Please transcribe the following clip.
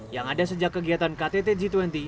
yang ada sejak kegiatan ktt g dua puluh